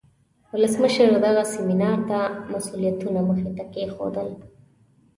ولسمشر دغه سیمینار ته مسئولیتونه مخې ته کیښودل.